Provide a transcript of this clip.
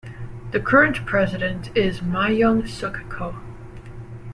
The current president is Myeung-sook Koh.